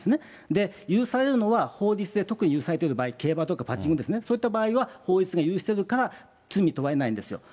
で、許されるのは、法律で特に許されている場合、競馬とかパチンコですね、そういった場合は、法律が許してるから、罪に問われないんですよ。